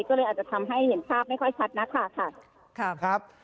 ก็เลยอาจจะทำให้เห็นภาพไม่ค่อยชัดนักค่ะครับ